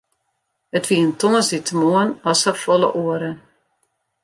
It wie in tongersdeitemoarn as safolle oare.